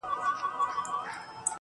چي د وگړو څه يې ټولي گناه كډه كړې,